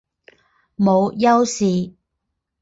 母丘氏。